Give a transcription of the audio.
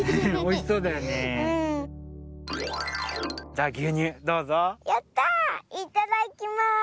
いただきます！